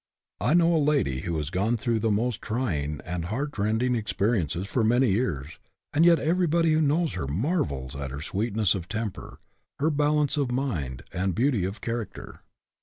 I know a lady who has gone through the most trying and heartrending experiences for many years, and yet everybody who knows her marvels at her sweetness of temper, her bal ance of mind, and beauty of character.